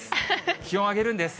気温を上げるんです。